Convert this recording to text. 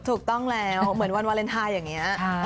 ถูกต้องแล้วเหมือนวันวาเลนไทยอย่างนี้